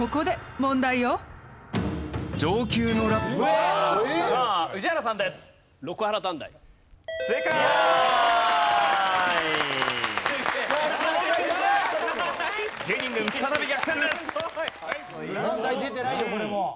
問題出てないよこれも。